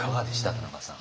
田中さん。